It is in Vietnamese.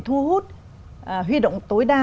thu hút huy động tối đa